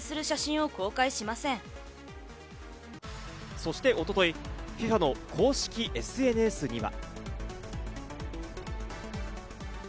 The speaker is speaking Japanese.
そして一昨日、ＦＩＦＡの公式ＳＮＳには。